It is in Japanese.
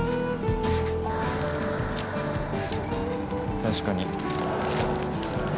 確かに。